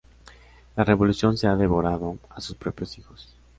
La revolución se ha devorado a sus propios hijos.